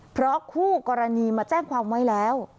เพราะคู่กรณีมาแจ้งความไว้แล้ว